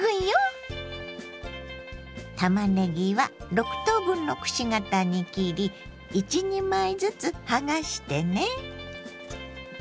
たまねぎは６等分のくし形に切り１２枚ずつはがしてね。